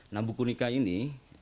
nah buku nikah ini